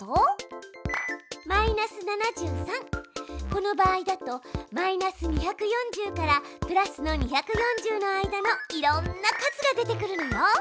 この場合だとマイナス２４０からプラスの２４０の間のいろんな数が出てくるのよ。